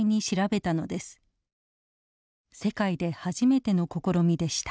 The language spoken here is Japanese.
世界で初めての試みでした。